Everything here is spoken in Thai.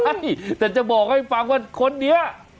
ใช่แต่จะบอกให้ฟังว่าคนนี้